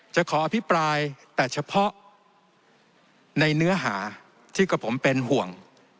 ขออภิปรายแต่เฉพาะในเนื้อหาที่กับผมเป็นห่วง